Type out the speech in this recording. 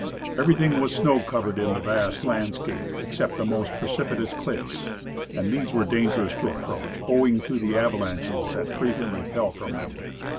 Everything was snow covered in the vast landscape except the most precipitous cliffs, and these were dangerous to approach, owing to the avalanches that frequently fell from them.